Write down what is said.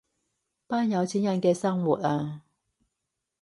班有錢人嘅生活啊